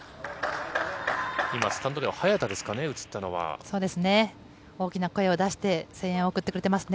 今、スタンドでは早田ですかね、そうですね。